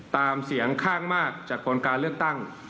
ตามเสียงข้างมากจากผลการเลือกตั้ง